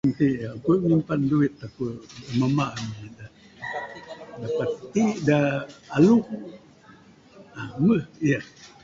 [unintelligible] aku nyimpan duit aku mamba ami da pati da alung, uhh meh yeh.